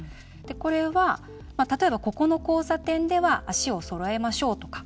これは、例えばここの交差点では足をそろえましょうとか。